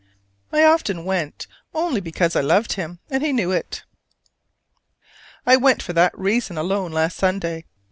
I often went only because I loved him: and he knew it. I went for that reason alone last Sunday.